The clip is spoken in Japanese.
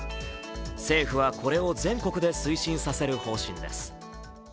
政府はこれを全国で推進させる方針です。